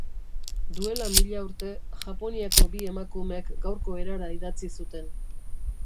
Duela mila urte, Japoniako bi emakumek gaurko erara idatzi zuten.